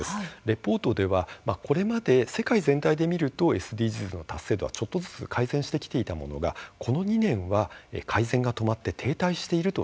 レポートではこれまで世界全体で見るとＳＤＧｓの達成度はちょっとずつ改善してきていたものがこの２年は改善が止まって停滞しているとしています。